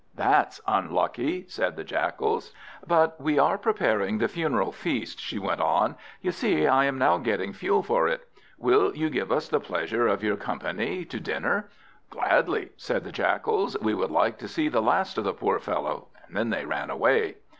"That's unlucky," said the Jackals. "But we are preparing the funeral feast," she went on, "you see I am now getting fuel for it. Will you give us the pleasure of your company to dinner?" "Gladly," said the Jackals; "we should like to see the last of the poor fellow;" then they ran away.